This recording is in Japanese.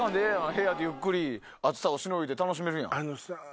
部屋でゆっくり暑さをしのいで楽しめるやん！